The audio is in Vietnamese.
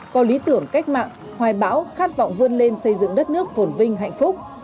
có lý tưởng cách mạng hoài bão khát vọng vươn lên xây dựng đất nước phồn vinh hạnh phúc